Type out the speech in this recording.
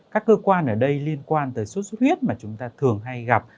các cơ quan ở đây liên quan tới sốt xuất huyết mà chúng ta thường hay gặp